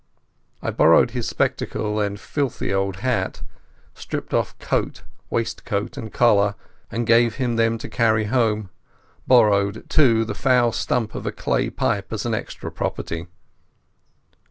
I borrowed his spectacles and filthy old hat; stripped off coat, waistcoat, and collar, and gave him them to carry home; borrowed, too, the foul stump of a clay pipe as an extra property.